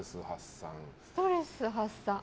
ストレス発散は。